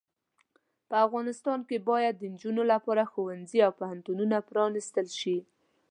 په افغانستان کې باید د انجونو لپاره ښوونځې او پوهنتونونه پرانستل شې.